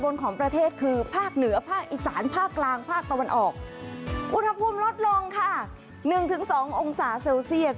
อุณหภูมิลดลงค่ะ๑๒องศาเซลเซียส